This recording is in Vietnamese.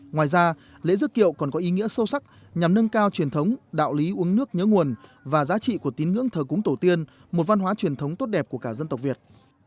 ngoài ra lễ dức kiệu còn có ý nghĩa sâu sắc nhằm nâng cao truyền thống đạo lý uống nước nhớ nguồn và giá trị của tín ngưỡng thờ cúng tổ tiên một văn hóa truyền thống tốt đẹp của cả dân tộc việt